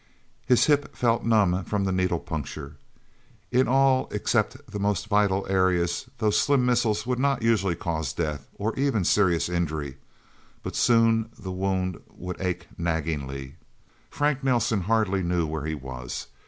His hip felt numb from the needle puncture. In all except the most vital areas, those slim missiles would not usually cause death, or even serious injury; but soon the wound would ache naggingly. First, Frank Nelsen hardly knew where he was.